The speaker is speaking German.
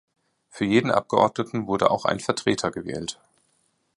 Für jeden Abgeordneten wurde auch ein Vertreter gewählt.